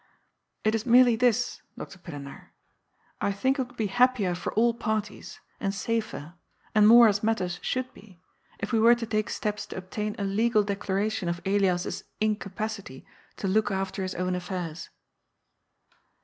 " It is merely this. Doctor Pillenaar. I think it would be happier for all parties, and safer, and more as matters should be, if we were to take steps to obtain a legal declaration of Elias's incapacity to look after his own affairs."